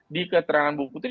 di keterangan bu putri